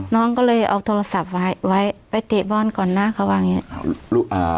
น้องก็เลยเอาโทรศัพท์ไว้ไว้ไปเตะบอลก่อนนะเขาว่าอย่างงี้อ่า